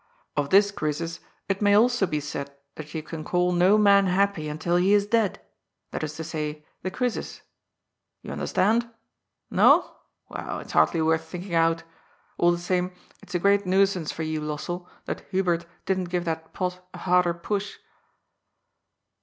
"Of this Croesus it may also be said tiiat you can call no man happy until he is dead, that is to say, the Croesus. Tou under stand? No? Well, it's hardly worth thinking out. All the same, it's a great nuisance for you, Lossell, that Hubert didn't give that pot a harder push.'